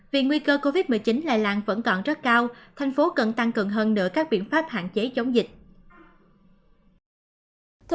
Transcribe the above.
vì nguy cơ covid một mươi chín lây lan vẫn còn rất cao thành phố cần tăng cường hơn nữa các biện pháp hạn chế chống dịch